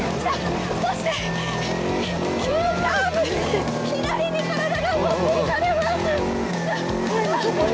そして急カーブ、左に体がもっていかれます